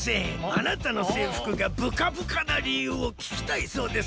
あなたのせいふくがブカブカなりゆうをききたいそうです。